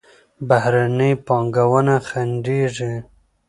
بهرني پانګونه خنډېږي.